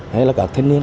hay là các thanh niên